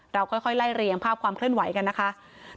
เราค่อยไล่เรียงภาพความเคลื่อนไหวกันนะคะ